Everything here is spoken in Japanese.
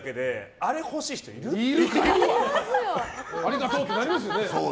ありがとうってなりますよ。